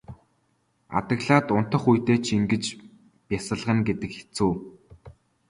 Адаглаад унтах үедээ ч ингэж бясалгана гэдэг хэцүү.